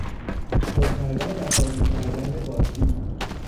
پر کردن و خالی کردن باطری